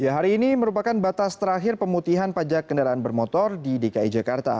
hari ini merupakan batas terakhir pemutihan pajak kendaraan bermotor di dki jakarta